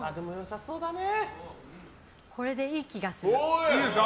これでいい気がする。